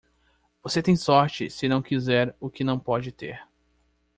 Você tem sorte se não quiser o que não pode ter.